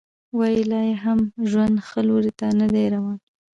وايي لا یې هم ژوند ښه لوري ته نه دی روان